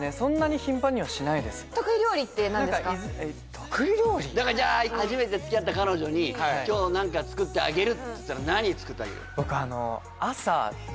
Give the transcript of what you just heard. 何かじゃあ初めて付き合った彼女に今日何か作ってあげるっていったら何作ってあげる？